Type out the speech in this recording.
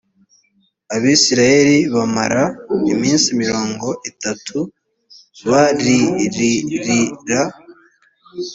abisirayeli bamara iminsi mirongo itatu bariririra